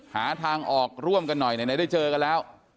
หาทางออกร่วมกันหน่อยไหนได้เจอกันแล้ว